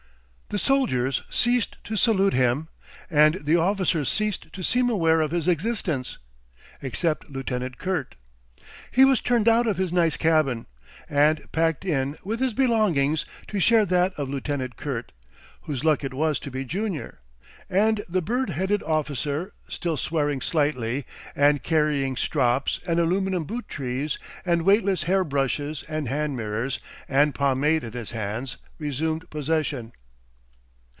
The soldiers ceased to salute him, and the officers ceased to seem aware of his existence, except Lieutenant Kurt. He was turned out of his nice cabin, and packed in with his belongings to share that of Lieutenant Kurt, whose luck it was to be junior, and the bird headed officer, still swearing slightly, and carrying strops and aluminium boot trees and weightless hair brushes and hand mirrors and pomade in his hands, resumed possession.